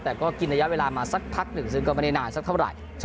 แต่ก็กินระยะเวลามาสักพักหนึ่งซึ่งก็ไม่ได้นานสักเท่าไหร่